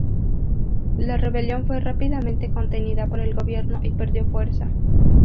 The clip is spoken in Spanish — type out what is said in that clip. La rebelión fue rápidamente contenida por el gobierno y perdió fuerza.